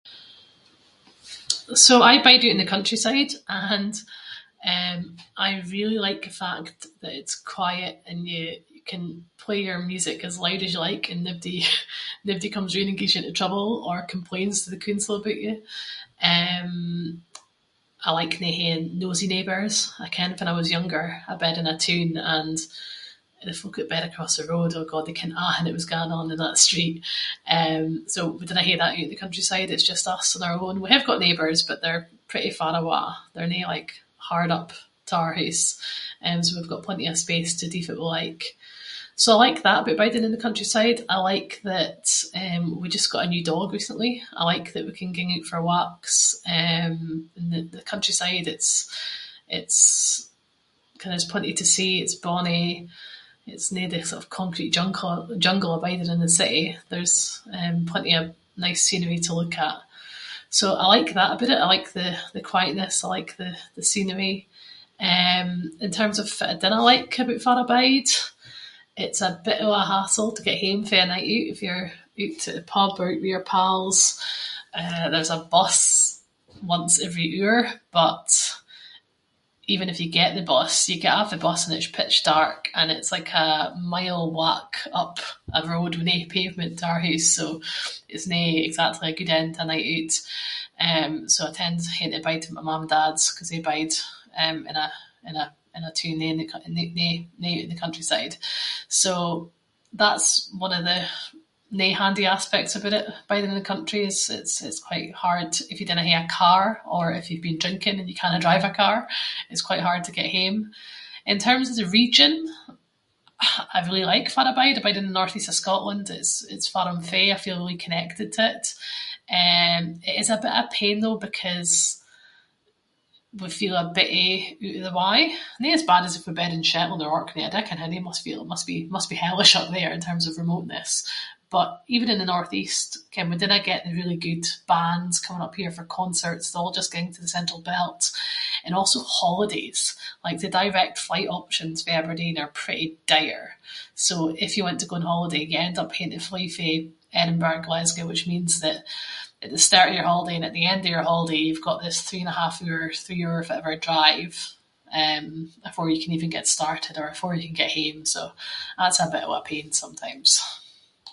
So I bide oot in the countryside and eh I really like the fact that it’s quiet and you, you can play your music as loud as you like and naebody- naebody comes roond and gets you into trouble or complains to the cooncil aboot you. Eh, I like nae haeing nosy neighbours. I ken fann I was younger I bed in a toon and the folk that bed across the road, oh god, they ken athing that was going on in that street. Eh so, we dinnae hae that oot in the countryside, it’s just us on our own. We hae got neighbours but they’re pretty far awa, they’re no like hard up to our hoose. Eh so we’ve got plenty of space to do fitt we like. So I like that about biding in the countryside. I like that, eh- we just got a new dog recently, I like that we can ging oot for walks eh in the- the countryside, it’s- it’s kind of there’s plenty to see, it’s bonnie, it’s no the sort of concrete junk- jungle of biding in the city. There’s plenty of nice scenery to look at. So, I like that aboot it, I like the- the quietness, I like the- the scenery. Eh, in terms of fitt I dinna like about farr I bide. It’s a bit of a hassle to get hame fae a night oot, if you’re oot at the pub or oot with your pals. Eh there’s a bus once every hour, but even if you get the bus, you get off the bus and it’s pitch dark and it’s like a mile walk up a road with no pavement, our hoose. So, it’s no exactly a good end to a night oot. Eh so I tend- hae to bide at my mam and dad’s, ‘cause they bide, eh, in a- in a- in a toon, no- no- no oot in the countryside. So that’s one of the no handy aspects aboot it. Biding in the country is- it’s- it’s- it’s quite hard t- if you dinna hae a car or if you’ve been drinking and you cannae drive a car it’s quite hard to get hame. In terms of the region, I really like farr I bide. I bide in the North-East of Scotland, it’s- it’s farr I’m fae, I feel really connected to it. Eh it is a bit of a pain though because we feel a bittie oot of the way, no as bad as if we bed in Shetland or Orkney. I dinna ken how they must feel, it must be hellish up there in terms of remoteness. But, even in the North-East, ken we dinna get the really good bands coming up here for concerts, they all just ging to the central belt. And also holidays, like the direct flight options fae Aberdeen are pretty dire. So if you want to go on holiday you end up haeing to fly fae Edinburgh or Glasgow which means that at the start of your holiday and at the end of your holiday you’ve got this three and a half hour, three hour fittever drive, eh, afore you can even get started or afore you can get hame. So, that’s a bit of a pain sometimes.